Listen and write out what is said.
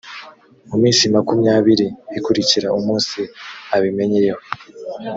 mu minsi makumyabiri ikurikira umunsi abimenyeyeho